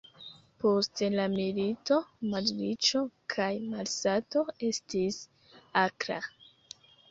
Post la milito malriĉo kaj malsato estis akra.